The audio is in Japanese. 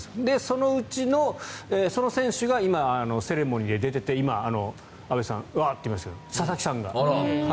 そのうちの、その選手が今、セレモニーで出ていて今、安部さんさんワッと言いましたけど佐々木さんが。